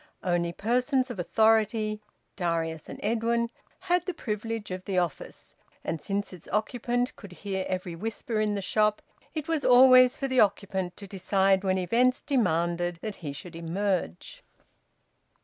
Only persons of authority Darius and Edwin had the privilege of the office, and since its occupant could hear every whisper in the shop, it was always for the occupant to decide when events demanded that he should emerge.